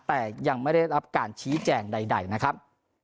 แต่ยังไม่ได้รับการชี้แจงใดนะครับ